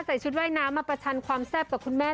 ใส่ชุดว่ายน้ำมาประชันความแซ่บกับคุณแม่